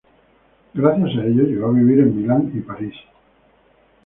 Gracias a ello, llegó a vivir en Milán y París.